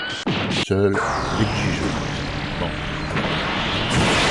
Seule l’exigence manque à l’appel.